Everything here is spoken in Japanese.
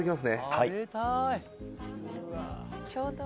はい。